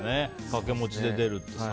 掛け持ちで出るってさ。